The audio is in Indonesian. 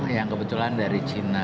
yang kebetulan dari cina